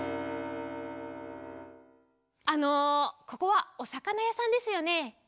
あのここはおさかなやさんですよね？